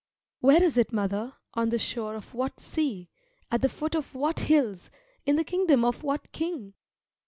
Where is it, mother, on the shore of what sea, at the foot of what hills, in the kingdom of what king?